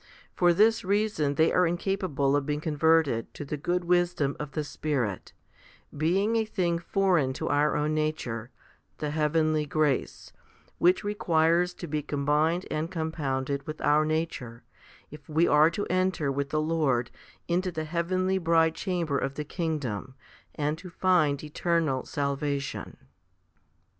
For this reason they are incapable of being converted to the good wisdom of the Spirit, being a thing foreign to our own nature the heavenly grace which requires to be combined and com pounded with our nature, if we are to enter with the Lord into the heavenly bridechamber of the kingdom, and to find eternal salvation.